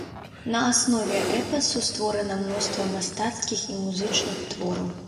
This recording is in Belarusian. На аснове эпасу створана мноства мастацкіх і музычных твораў.